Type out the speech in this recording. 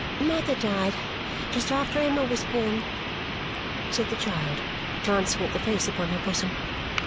"Mother died just after Emma was born," said the child, glancing at the face upon her bosom.